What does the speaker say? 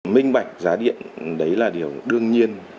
minh bạch giá điện đấy là điều đương nhiên